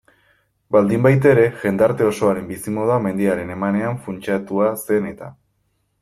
Baldinbaitere, jendarte osoaren bizimodua mendiaren emanean funtsatua zen eta.